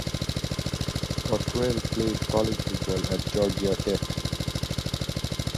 Cottrell played college football at Georgia Tech.